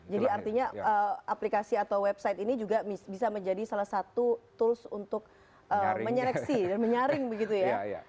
jadi artinya aplikasi atau website ini juga bisa menjadi salah satu tools untuk menyeleksi dan menyaring begitu ya